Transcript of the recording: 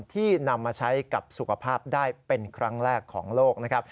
ที่นำมาใช้กับสุขภาพได้เป็นครั้งแรกของโลกนะครับ